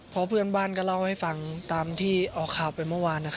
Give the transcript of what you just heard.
เพราะเพื่อนบ้านก็เล่าให้ฟังตามที่ออกข่าวไปเมื่อวาน